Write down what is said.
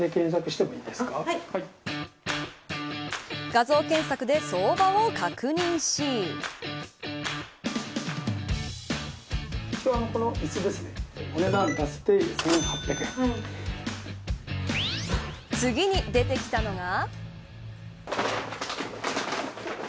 画像検索で相場を確認し次に出てきたのが。